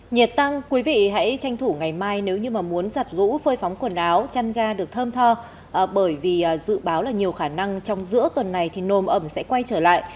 nhiệt tăng quý vị hãy tranh thủ ngày mai nếu như mà muốn giặt rũ phơi phóng quần áo chăn ga được thơm tho bởi vì dự báo là nhiều khả năng trong giữa tuần này thì nồm ẩm sẽ quay trở lại